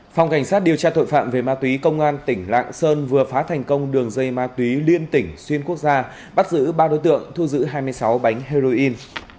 phòng cảnh sát điều tra tội phạm về ma túy công an tỉnh lạng sơn vừa phá thành công đường dây ma túy liên tỉnh xuyên quốc gia bắt giữ ba đối tượng thu giữ hai mươi sáu bánh heroin